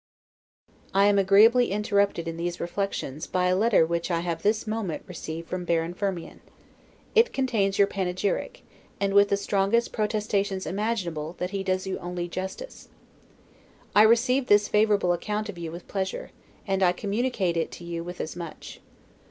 I am agreeably interrupted in these reflections by a letter which I have this moment received from Baron Firmian. It contains your panegyric, and with the strongest protestations imaginable that he does you only justice. I received this favorable account of you with pleasure, and I communicate it to you with as much.